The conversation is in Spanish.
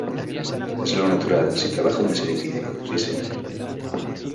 Es lo natural, si trabajo en ese edificio, sí señor".